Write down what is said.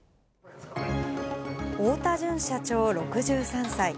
太田純社長６３歳。